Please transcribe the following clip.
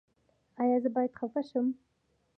ایا زه باید خفه شم؟